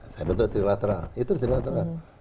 saya bentuk trilateral itu trilateral